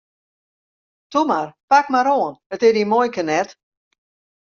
Toe mar, pak mar oan, it is dyn muoike net!